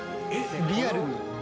リアルに。